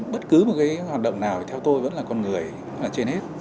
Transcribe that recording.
bất cứ một cái hoạt động nào thì theo tôi vẫn là con người trên hết